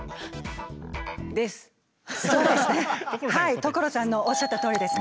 所さんのおっしゃったとおりですね。